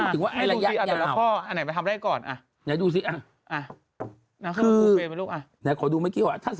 ทุกคนโดนหมด